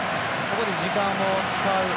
ここで時間を使う。